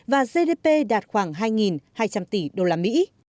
và gdp đạt khoảng hai hai trăm linh tỷ usd